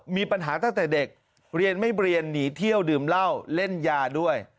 มีปัญหาตั้งแต่เด็กเรียนไม่เรียนหนีเที่ยวดื่มเหล้าเล่นยาด้วย